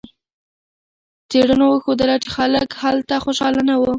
څېړنو وښودله چې خلک هلته خوشحاله نه وو.